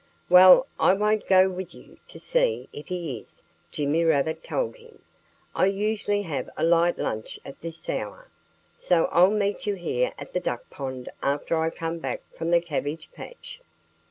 "Well, I won't go with you, to see if he is," Jimmy Rabbit told him. "I usually have a light lunch at this hour. So I'll meet you here at the duck pond after I come back from the cabbage patch."